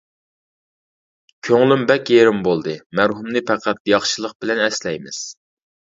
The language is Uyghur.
كۆڭلۈم بەك يېرىم بولدى، مەرھۇمنى پەقەت ياخشىلىق بىلەن ئەسلەيمىز.